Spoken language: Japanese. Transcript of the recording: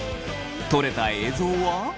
撮れた映像は？